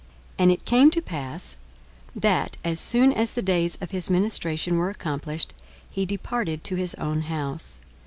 42:001:023 And it came to pass, that, as soon as the days of his ministration were accomplished, he departed to his own house.